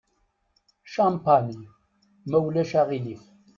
Champagne, ma ulac aɣilif.